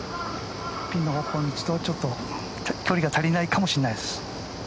ピンの方向に打つとちょっと距離が足りないかもしれないです。